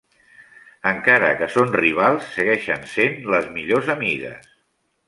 Encara que són rivals, segueixen sent les millors amigues.